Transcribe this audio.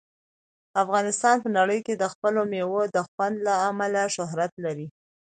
افغانستان په نړۍ کې د خپلو مېوو د خوند له امله شهرت لري.